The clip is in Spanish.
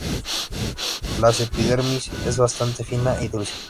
La epidermis es bastante fina y dulce.